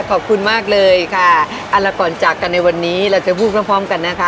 ขอบคุณมากเลยค่ะเอาละก่อนจากกันในวันนี้เราจะพูดพร้อมพร้อมกันนะคะ